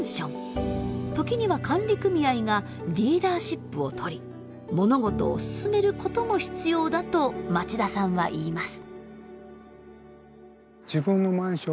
時には管理組合がリーダーシップをとり物事を進めることも必要だと町田さんは言います。